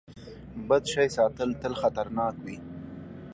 بد شی ساتل تل خطرناک وي.